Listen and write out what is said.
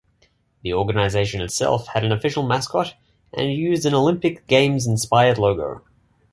The organization itself had an official mascot, and used an Olympic Games inspired logo.